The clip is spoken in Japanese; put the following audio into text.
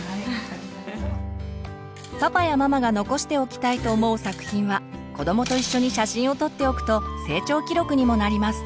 パパやママが残しておきたいと思う作品は子どもと一緒に写真を撮っておくと成長記録にもなります。